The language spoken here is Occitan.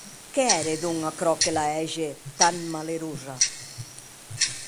Qué ère, donc, aquerò que la hège tan malerosa?